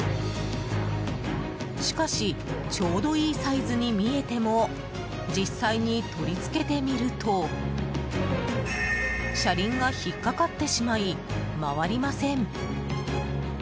しかしちょうどいいサイズに見えても実際に取り付けてみると車輪が引っかかってしまい回りません。